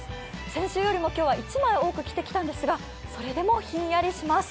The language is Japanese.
先週よりも今日は１枚多く着てきたんですが、それでもひんやりします。